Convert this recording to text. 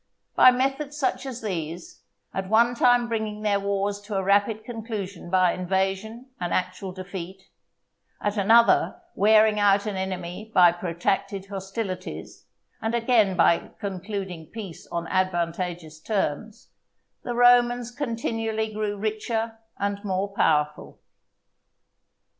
By methods such as these, at one time bringing their wars to a rapid conclusion by invasion and actual defeat, at another wearing out an enemy by protracted hostilities, and again by concluding peace on advantageous terms, the Romans continually grew richer and more powerful.